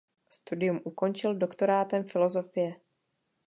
Studium ukončil doktorátem filozofie.